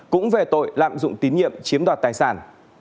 cũng về tội lạm dụng tín nhiệm chiếm đoạt tài sản